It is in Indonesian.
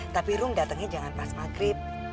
tapi rum datengnya jangan pas maghrib